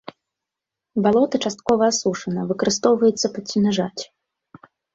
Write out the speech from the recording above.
Балота часткова асушана, выкарыстоўваецца пад сенажаць.